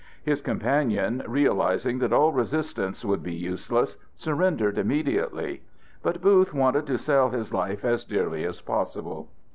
His companion, realizing that all resistance would be useless, surrendered immediately. But Booth wanted to sell his life as dearly as possible.